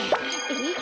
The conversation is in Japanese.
えっ？